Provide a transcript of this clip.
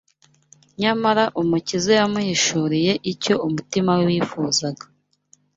Nyamara Umukiza yamuhishuriye icyo umutima we wifuzaga